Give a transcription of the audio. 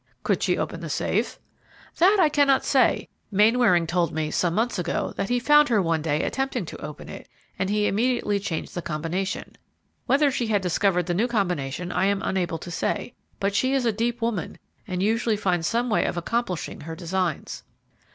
"Could she open the safe?" "That I cannot say. Mainwaring told me, some months ego, that he found her one day attempting to open it, and he immediately changed the combination. Whether she had discovered the new combination, I am unable to say; but she is a deep woman, and usually finds some way of accomplishing her designs."